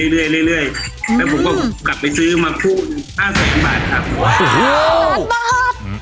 แล้วผมก็กลับไปซื้อมาคู่๕แสนบาทครับ